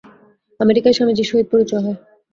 আমেরিকায় স্বামীজীর সহিত পরিচয় হয়।